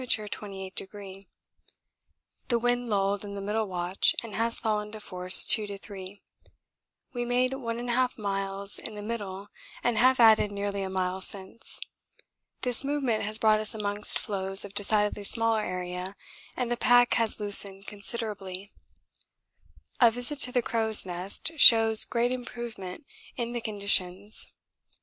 28°). The wind lulled in the middle watch and has fallen to force 2 to 3. We made 1 1/2 miles in the middle and have added nearly a mile since. This movement has brought us amongst floes of decidedly smaller area and the pack has loosened considerably. A visit to the crow's nest shows great improvement in the conditions.